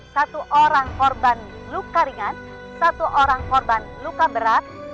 satu orang korban luka ringan satu orang korban luka berat